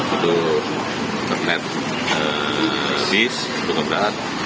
itu internet napis luka berat